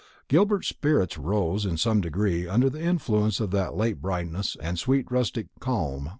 Gilbert's spirits rose in some degree under the influence of that late brightness and sweet rustic calm.